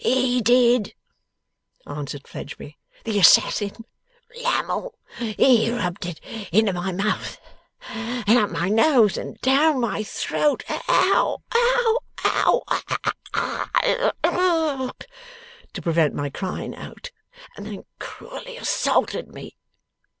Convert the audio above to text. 'He did,' answered Fledgeby. 'The assassin. Lammle. He rubbed it into my mouth and up my nose and down my throat Ow! Ow! Ow! Ah h h h! Ugh! to prevent my crying out, and then cruelly assaulted me.